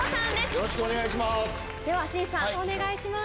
よろしくお願いします。